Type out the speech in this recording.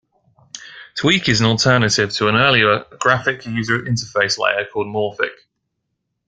Tweak is an alternative to an earlier graphic user interface layer called Morphic.